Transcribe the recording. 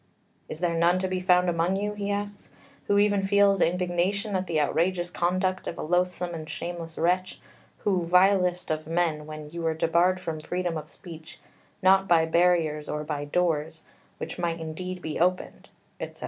"Is there none to be found among you," he asks, "who even feels indignation at the outrageous conduct of a loathsome and shameless wretch who, vilest of men, when you were debarred from freedom of speech, not by barriers or by doors, which might indeed be opened," etc.